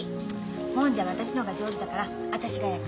もんじゃ私の方が上手だから私が焼く。